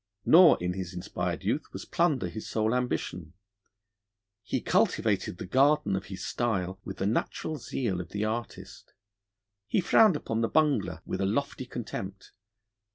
Nor in his inspired youth was plunder his sole ambition: he cultivated the garden of his style with the natural zeal of the artist; he frowned upon the bungler with a lofty contempt.